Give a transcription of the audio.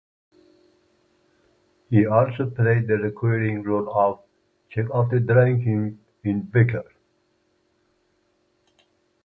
He also played the recurring role of "Chuck the Drain King" in "Becker".